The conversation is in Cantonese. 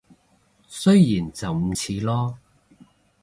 雖然就唔似囉